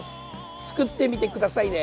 作ってみて下さいね。